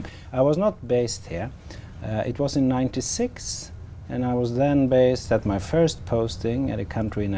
chúng ta sẽ phải tìm hiểu thế nào thế giới đã như trước